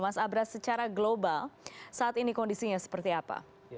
mas abras secara global saat ini kondisinya seperti apa